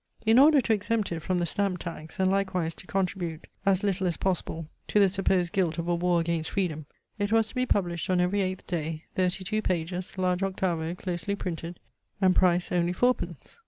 In order to exempt it from the stamp tax, and likewise to contribute as little as possible to the supposed guilt of a war against freedom, it was to be published on every eighth day, thirty two pages, large octavo, closely printed, and price only four pence.